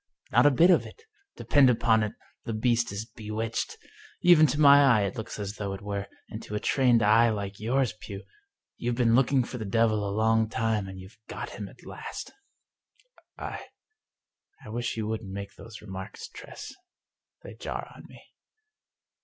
" Not a bit of it ! Depend upon it, the beast is bewitched. Even to my eye it looks as though it were, and to a trained eye like yours, Pugh! You've been looking for the devil a long time, and you've got him at last." " I — I wish you wouldn't make those remarks. Tress. They jar on me."